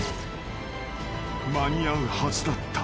［間に合うはずだった］